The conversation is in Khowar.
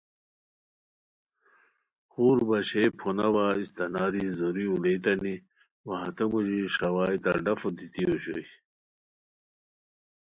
خور باشئے پھوناوا استاناری زوری اولیتانی وا ہتے موژی ݰاوائے تہ ڈفو دیتی اوشوئے